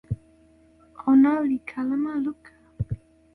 ona li kalama luka.